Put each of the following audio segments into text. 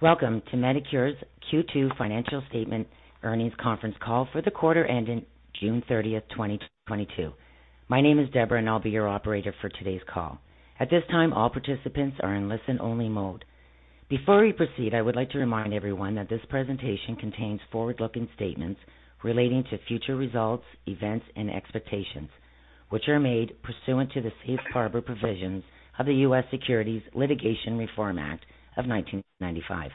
Welcome to Medicure's Q2 financial statement earnings conference call for the quarter ending June 30, 2022. My name is Deborah, and I'll be your operator for today's call. At this time, all participants are in listen-only mode. Before we proceed, I would like to remind everyone that this presentation contains forward-looking statements relating to future results, events and expectations, which are made pursuant to the safe harbor provisions of the Private Securities Litigation Reform Act of 1995.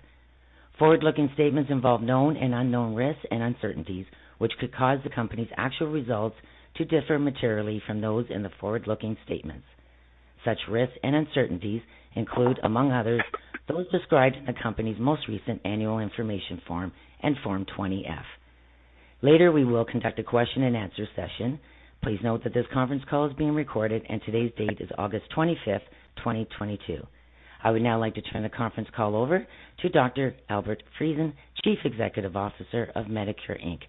Forward-looking statements involve known and unknown risks and uncertainties, which could cause the company's actual results to differ materially from those in the forward-looking statements. Such risks and uncertainties include, among others, those described in the company's most recent annual information form and Form 20-F. Later, we will conduct a question-and-answer session. Please note that this conference call is being recorded, and today's date is August 25, 2022. I would now like to turn the conference call over to Dr. Albert Friesen, Chief Executive Officer of Medicure Inc.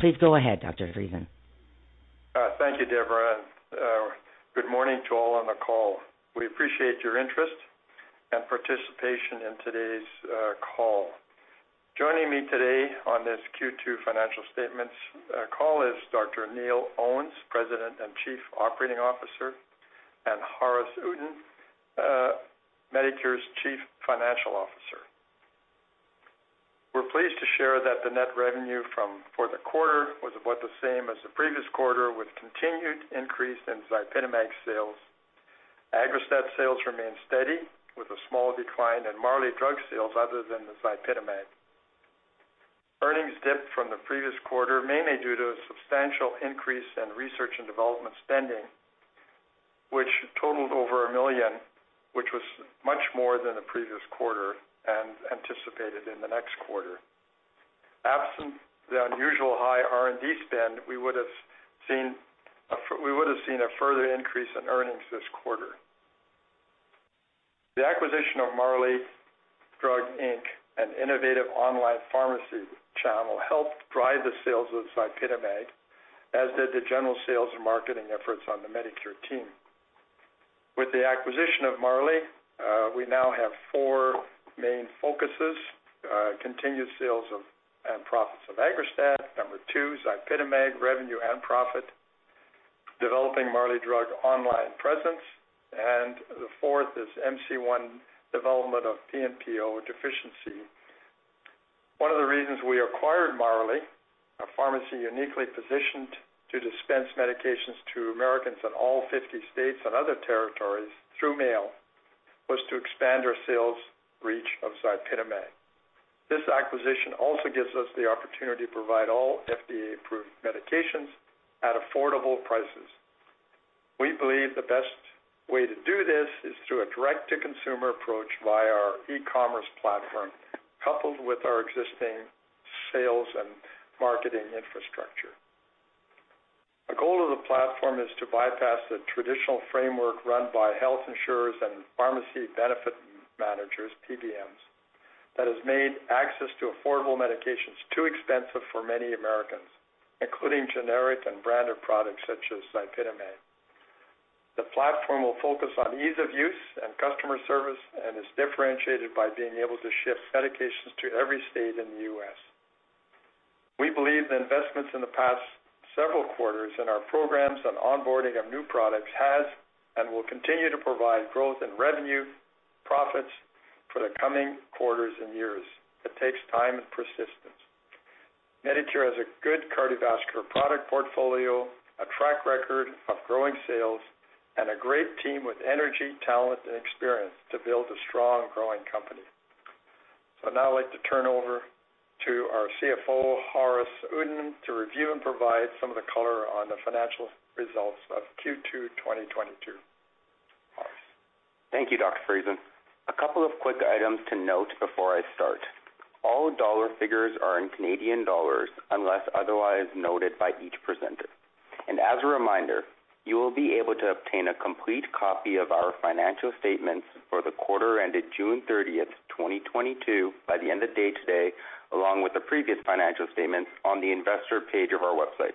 Please go ahead, Dr. Friesen. Thank you, Deborah, and good morning to all on the call. We appreciate your interest and participation in today's call. Joining me today on this Q2 financial statements call is Dr. Neil Owens, President and Chief Operating Officer, and Haaris Uddin, Medicure's Chief Financial Officer. We're pleased to share that the net revenue for the quarter was about the same as the previous quarter, with continued increase in ZYPITAMAG sales. AGGRASTAT sales remained steady with a small decline in Marley Drug sales other than the ZYPITAMAG. Earnings dipped from the previous quarter, mainly due to a substantial increase in research and development spending, which totaled over 1 million, which was much more than the previous quarter and anticipated in the next quarter. Absent the unusual high R&D spend, we would've seen a further increase in earnings this quarter. The acquisition of Marley Drug, Inc., an innovative online pharmacy channel, helped drive the sales of ZYPITAMAG, as did the general sales and marketing efforts on the Medicure team. With the acquisition of Marley, we now have four main focuses. Continued sales and profits of AGGRASTAT. Number two, ZYPITAMAG revenue and profit. Developing Marley Drug online presence. The fourth is MC-1 development of PNPO deficiency. One of the reasons we acquired Marley, a pharmacy uniquely positioned to dispense medications to Americans in all fifty states and other territories through mail, was to expand our sales reach of ZYPITAMAG. This acquisition also gives us the opportunity to provide all FDA-approved medications at affordable prices. We believe the best way to do this is through a direct-to-consumer approach via our e-commerce platform, coupled with our existing sales and marketing infrastructure. A goal of the platform is to bypass the traditional framework run by health insurers and pharmacy benefit managers, PBMs, that has made access to affordable medication too expensive for many Americans, including generic and branded products such as ZYPITAMAG. The platform will focus on ease of use and customer service and is differentiated by being able to ship medications to every state in the U.S. We believe the investments in the past several quarters in our programs on onboarding of new products has and will continue to provide growth in revenue, profits for the coming quarters and years. It takes time and persistence. Medicure has a good cardiovascular product portfolio, a track record of growing sales, and a great team with energy, talent and experience to build a strong, growing company. I'd now like to turn over to our CFO, Haaris Uddin, to review and provide some of the color on the financial results of Q2, 2022. Haaris. Thank you, Dr. Friesen. A couple of quick items to note before I start. All dollar figures are in Canadian dollars unless otherwise noted by each presenter. As a reminder, you will be able to obtain a complete copy of our financial statements for the quarter ended June 30, 2022, by the end of day today, along with the previous financial statements on the investor page of our website.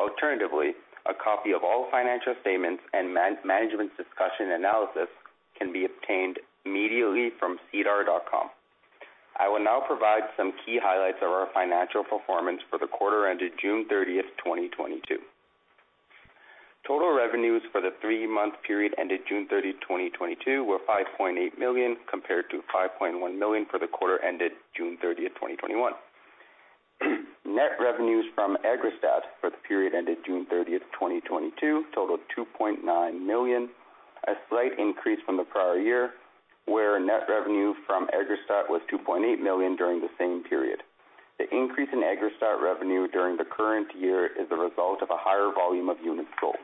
Alternatively, a copy of all financial statements and management's discussion analysis can be obtained immediately from SEDAR.com. I will now provide some key highlights of our financial performance for the quarter ended June 30, 2022. Total revenues for the three-month period ended June 30, 2022, were 5.8 million, compared to 5.1 million for the quarter ended June 30, 2021. Net revenues from AGGRASTAT for the period ended June 30, 2022, totaled $2.9 million, a slight increase from the prior year, where net revenue from AGGRASTAT was $2.8 million during the same period. The increase in AGGRASTAT revenue during the current year is a result of a higher volume of units sold.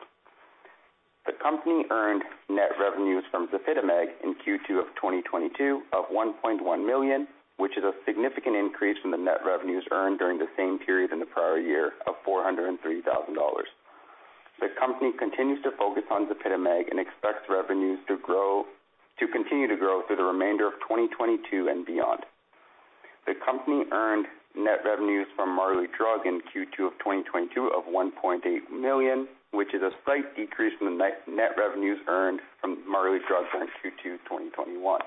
The company earned net revenues from ZYPITAMAG in Q2 of 2022 of $1.1 million, which is a significant increase from the net revenues earned during the same period in the prior year of $403,000. The company continues to focus on ZYPITAMAG and expects revenues to continue to grow through the remainder of 2022 and beyond. The company earned net revenues from Marley Drug in Q2 of 2022 of 1.8 million, which is a slight decrease from the net revenues earned from Marley Drug during Q2 2021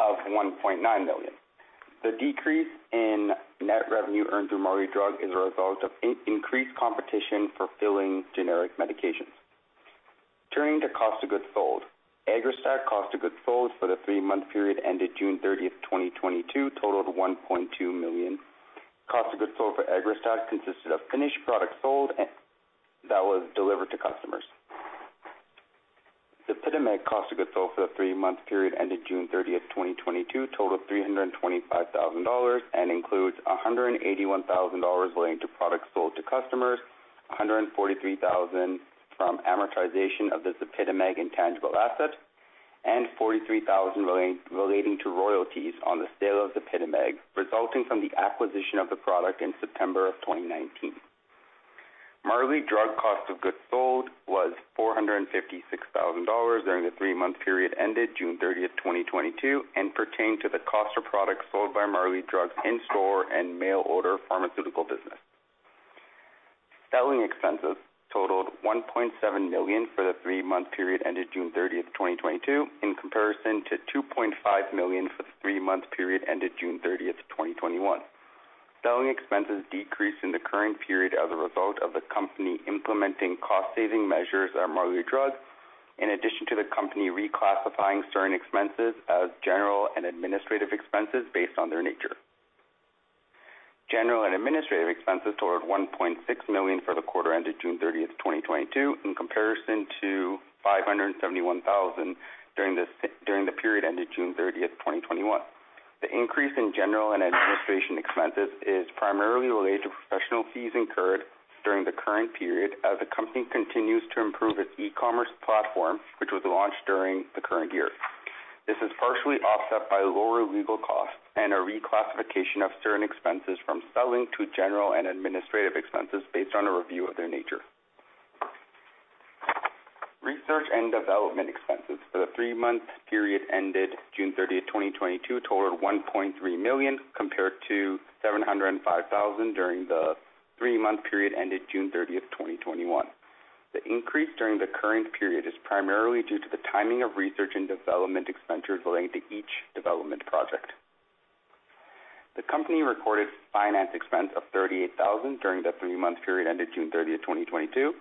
of 1.9 million. The decrease in net revenue earned through Marley Drug is a result of increased competition for filling generic medications. Turning to cost of goods sold. AGGRASTAT cost of goods sold for the three-month period ended June 30, 2022 totaled 1.2 million. Cost of goods sold for AGGRASTAT consisted of finished products sold and that was delivered to customers. ZYPITAMAG cost of goods sold for the three-month period ended June 30th, 2022 totaled $325,000 and includes $181,000 relating to products sold to customers, $143,000 from amortization of the ZYPITAMAG intangible asset, and $43,000 relating to royalties on the sale of ZYPITAMAG, resulting from the acquisition of the product in September of 2019. Marley Drug cost of goods sold was $456,000 during the three-month period ended June 30th, 2022 and pertained to the cost of products sold by Marley Drug in store and mail order pharmaceutical business. Selling expenses totaled $1.7 million for the three-month period ended June 30th, 2022 in comparison to $2.5 million for the three-month period ended June 30th, 2021. Selling expenses decreased in the current period as a result of the company implementing cost saving measures at Marley Drug, in addition to the company reclassifying certain expenses as general and administrative expenses based on their nature. General and administrative expenses totaled 1.6 million for the quarter ended June 30, 2022 in comparison to 571,000 during the period ended June 30, 2021. The increase in general and administrative expenses is primarily related to professional fees incurred during the current period as the company continues to improve its e-commerce platform which was launched during the current year. This is partially offset by lower legal costs and a reclassification of certain expenses from selling to general and administrative expenses based on a review of their nature. Research and development expenses for the three-month period ended June 30, 2022 totaled 1.3 million, compared to 705,000 during the three-month period ended June 30, 2021. The increase during the current period is primarily due to the timing of research and development expenditures relating to each development project. The company recorded finance expense of 38,000 during the three-month period ended June 30, 2022.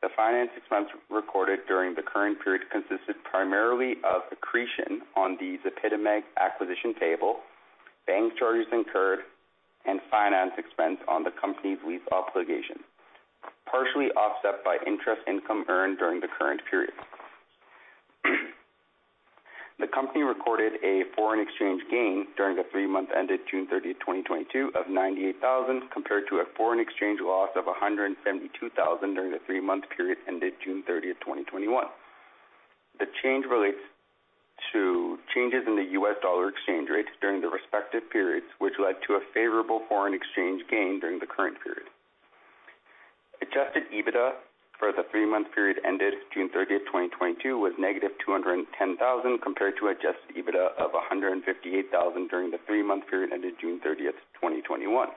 The finance expense recorded during the current period consisted primarily of accretion on the ZYPITAMAG acquisition liability, bank charges incurred, and finance expense on the company's lease obligation, partially offset by interest income earned during the current period. The company recorded a foreign exchange gain during the three months ended June 30, 2022 of 98,000 compared to a foreign exchange loss of 172,000 during the three-month period ended June 30, 2021. The change relates to changes in the US dollar exchange rate during the respective periods, which led to a favorable foreign exchange gain during the current period. Adjusted EBITDA for the three-month period ended June 30, 2022 was -210,000 compared to adjusted EBITDA of 158,000 during the three-month period ended June 30, 2021.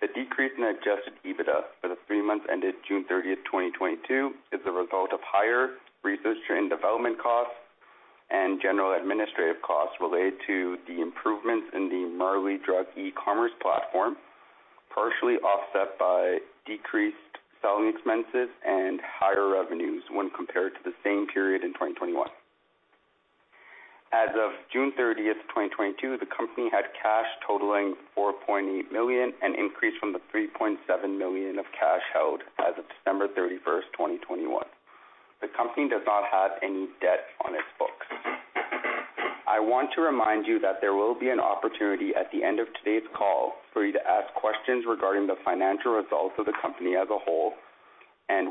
The decrease in adjusted EBITDA for the three months ended June 30, 2022 is the result of higher research and development costs and general administrative costs related to the improvements in the Marley Drug e-commerce platform, partially offset by decreased selling expenses and higher revenues when compared to the same period in 2021. As of June 30, 2022, the company had cash totaling 4.8 million, an increase from the 3.7 million of cash held as of December 31, 2021. The company does not have any debt on its books. I want to remind you that there will be an opportunity at the end of today's call for you to ask questions regarding the financial results of the company as a whole.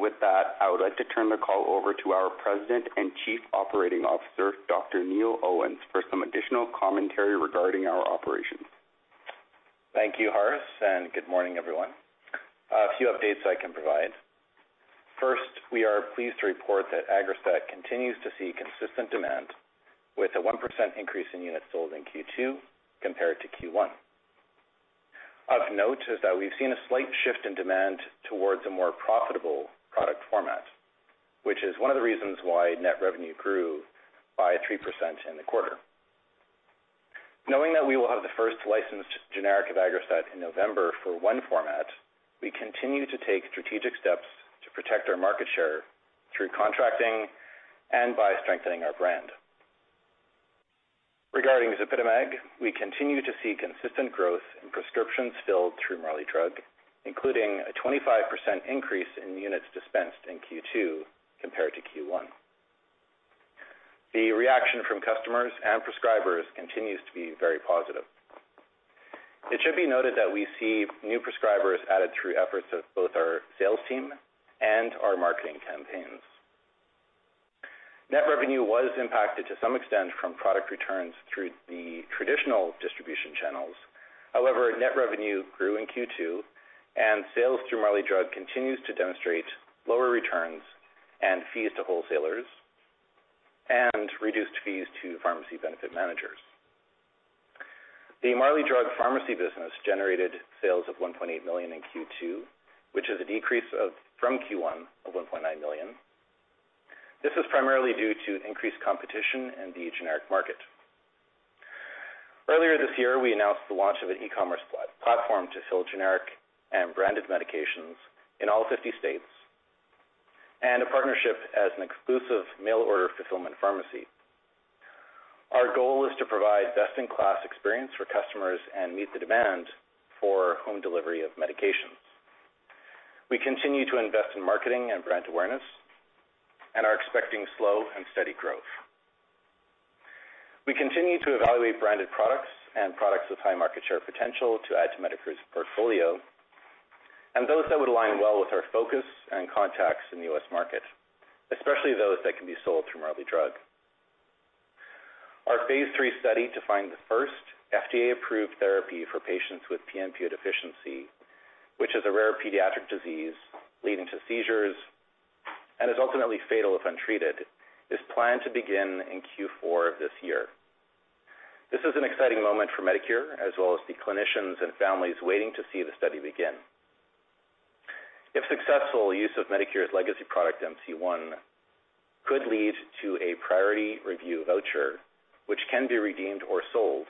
With that, I would like to turn the call over to our President and Chief Operating Officer, Dr. Neil Owens, for some additional commentary regarding our operations. Thank you, Haaris, and good morning, everyone. A few updates I can provide. First, we are pleased to report that AGGRASTAT continues to see consistent demand with a 1% increase in units sold in Q2 compared to Q1. Of note is that we've seen a slight shift in demand towards a more profitable product format, which is one of the reasons why net revenue grew by 3% in the quarter. Knowing that we will have the first licensed generic of AGGRASTAT in November for one format, we continue to take strategic steps to protect our market share through contracting and by strengthening our brand. Regarding ZYPITAMAG, we continue to see consistent growth in prescriptions filled through Marley Drug, including a 25% increase in units dispensed in Q2 compared to Q1. The reaction from customers and prescribers continues to be very positive. It should be noted that we see new prescribers added through efforts of both our sales team and our marketing campaigns. Net revenue was impacted to some extent from product returns. However, net revenue grew in Q2, and sales through Marley Drug continues to demonstrate lower returns and fees to wholesalers and reduced fees to pharmacy benefit managers. The Marley Drug pharmacy business generated sales of 1.8 million in Q2, which is a decrease from Q1 of 1.9 million. This is primarily due to increased competition in the generic market. Earlier this year, we announced the launch of an e-commerce platform to fill generic and branded medications in all 50 states and a partnership as an exclusive mail order fulfillment pharmacy. Our goal is to provide best-in-class exprience for customers and meet the demand for home delivery of medications. We continue to invest in marketing and brand awareness and are expecting slow and steady growth. We continue to evaluate branded products and products with high market share potential to add to Medicure's portfolio and those that would align well with our focus and contacts in the U.S. market, especially those that can be sold through Marley Drug. Our Phase III study to find the first FDA-approved therapy for patients with PNPO deficiency, which is a rare pediatric disease leading to seizures and is ultimately fatal if untreated, is planned to begin in Q4 of this year. This is an exciting moment for Medicure as well as the clinicians and families waiting to see the study begin. If successful, use of Medicure's legacy product, MC-1, could lead to a priority review voucher, which can be redeemed or sold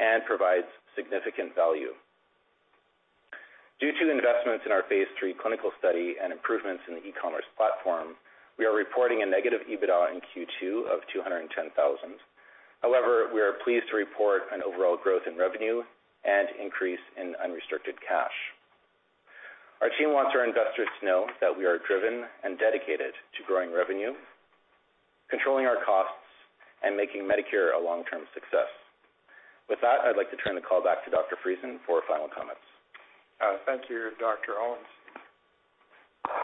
and provides significant value. Due to investments in our phase III clinical study and improvements in the e-commerce platform, we are reporting a negative EBITDA in Q2 of 210,000. However, we are pleased to report an overall growth in revenue and increase in unrestricted cash. Our team wants our investors to know that we are driven and dedicated to growing revenue, controlling our costs, and making Medicure a long-term success. With that, I'd like to turn the call back to Dr. Friesen for final comments. Thank you, Dr. Owens.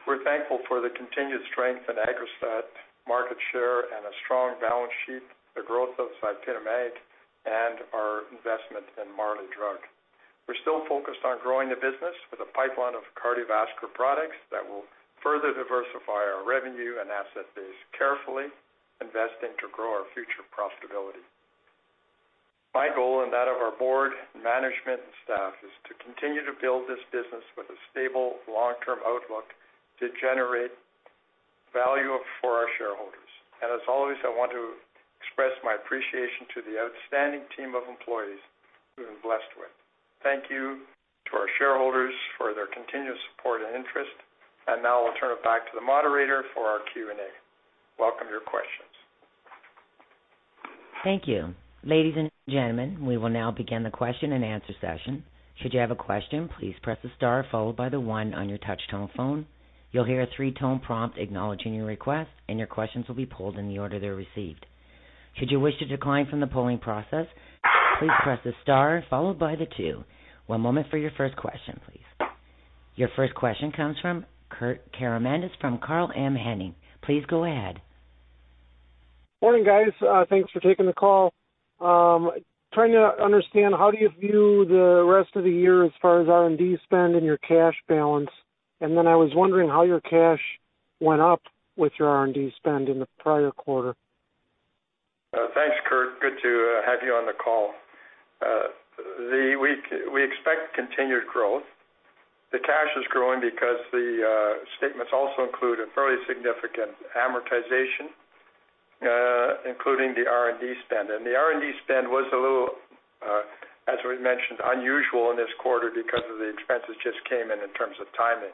We're thankful for the continued strength in AGGRASTAT market share and a strong balance sheet, the growth of ZYPITAMAG, and our investment in Marley Drug. We're still focused on growing the business with a pipeline of cardiovascular products that will further diversify our revenue and asset base carefully, investing to grow our future profitability. My goal, and that of our board, management, and staff, is to continue to build this business with a stable long-term outlook to generate value for our shareholders. As always, I want to express my appreciation to the outstanding team of employees we've been blessed with. Thank you to our shareholders for their continuous support and interest. Now I'll turn it back to the moderator for our Q&A. Welcome your questions. Thank you. Ladies and gentlemen, we will now begin the question-and-answer session. Should you have a question, please press the star followed by the one on your touch tone phone. You'll hear a three-tone prompt acknowleding your request, and your questions will be pulled in the order they're received. Should you wish to decline from the polling process, please press the star followed by the two. One moment for your first question, please. Your first question comes from Kurt Caramanis from Carl M. Hennig. Please go ahead. Morning, guys. Thanks for taking the call. Trying to understand how do you view the rest of the year as far as R&D spend and your cash balance? I was wondering how your cash went up with your R&D spend in the prior quarter? Thanks, Kurt. Good to have you on the call. We expect continued growth. The cash is growing because the statements also include a fairly significant amortization, including the R&D spend. The R&D spend was a little, as we mentioned, unusual in this quarter because of the expenses just came in terms of timing.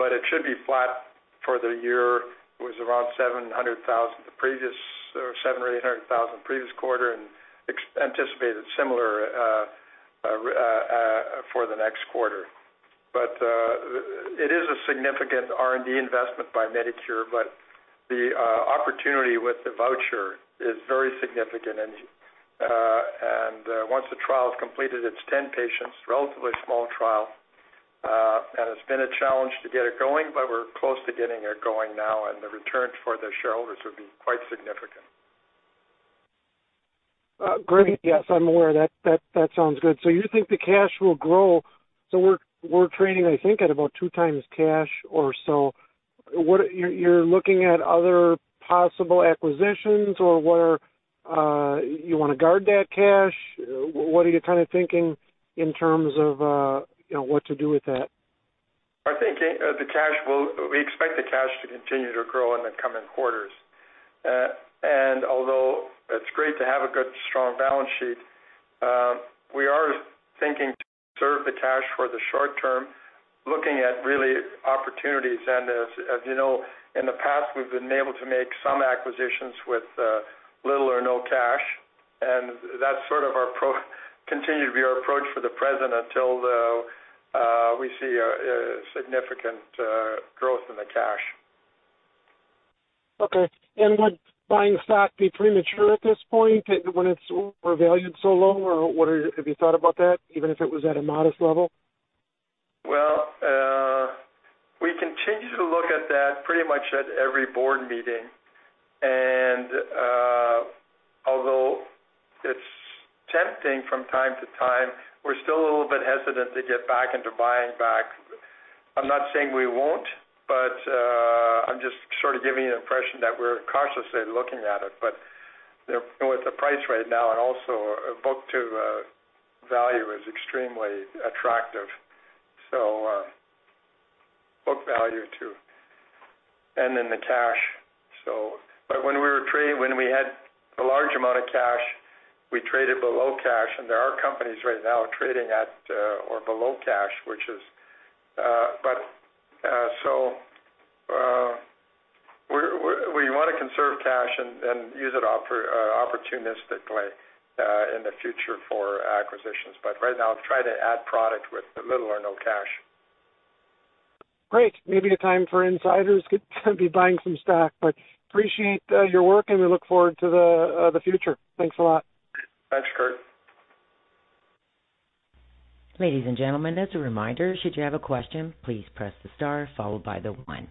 It should be flat for the year. It was around 700,000 the previous or 700,000 or 800,000 previous quarter and anticipated similar for the next quarter. It is a significant R&D investment by Medicure, but the opportunity with the voucher is very significant. Once the trial is completed, it's 10 patients, relatively small trial. It's been a challenge to get it going, but we're close to getting it going now, and the return for the shareholders would be quite significant. Great. Yes, I'm aware. That sounds good. You think the cash will grow. We're trading, I think, at about 2x cash or so. What are you looking at, other possible acquisitions or where you wanna guard that cash? What are you kind of thinking in terms of, you know, what to do with that? I think we expect the cash to continue to grow in the coming quarters. Although it's great to have a good, strong balance sheet, we are thinking to conserve the cash for the short term, looking at real opportunities. As you know, in the past, we've been able to make some acquisitions with little or no cash, and that's sort of our continue to be our approach for the present until we see a significant growth in the cash. Okay. Would buying stock be premature at this point when it's valued so low, or have you thought about that, even if it was at a modest level? Well, we continue to look at that pretty much at every board meeting. Although it's tempting from time to time, we're still a little bit hesitant to get back into buying back. I'm not saying we won't, but I'm just sort of giving you an impression that we're cautiously looking at it. With the price right now and also a book value is extremely attractive. Then the cash. When we had a large amount of cash, we traded below cash. There are companies right now trading at or below cash. We wanna conserve cash and use it opportunistically in the future for acquisitions. Right now, try to add product with little or no cash. Great. Maybe a time for insiders to be buying some stock. Appreciate your work, and we look forward to the future. Thanks a lot. Thanks, Kurt. Ladies and gentlemen, as a reminder, should you have a question, please press the star followed by the one.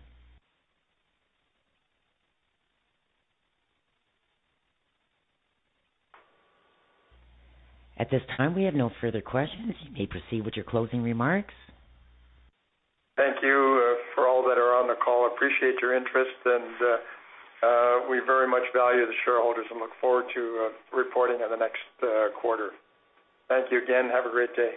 At this time, we have no further questions. You may proceed with your closing remarks. Thank you for all that are on the call. Appreciate your interest and we very much value the shareholders and look forward to reporting in the next quarter. Thank you again. Have a great day.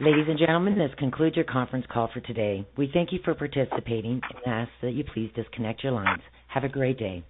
Ladies and gentlemen, this concludes your conference call for today. We thank you for participating and ask that you please disconnect your lines. Have a great day.